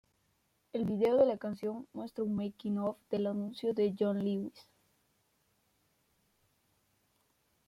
El video de la canción muestra un making of del anuncio de John Lewis.